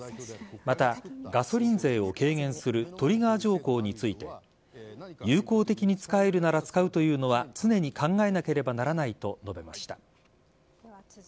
また、ガソリン税を軽減するトリガー条項について有効的に使えるなら使うというのは常に考えなければならないと述べました。